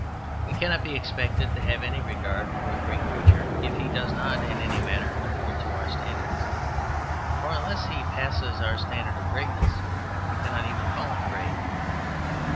We cannot be expected to have any regard for a great creature if he does not in any manner conform to our standards. For unless he passes our standard of greatness we cannot even call him great.